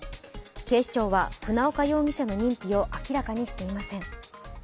警視庁は船岡容疑者の認否を明らかにしていません。